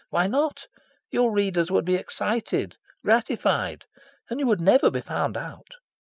Why not? Your readers would be excited, gratified. And you would never be found out."